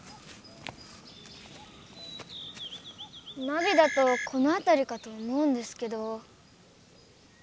ナビだとこのあたりかと思うんですけど。